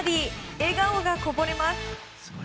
笑顔がこぼれます。